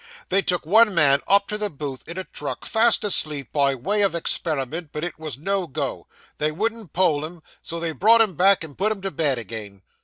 They took one man up to the booth, in a truck, fast asleep, by way of experiment, but it was no go they wouldn't poll him; so they brought him back, and put him to bed again.